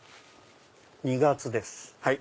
２月です。